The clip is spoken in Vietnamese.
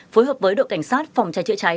phối hợp với đội cảnh sát phòng trái trễ trái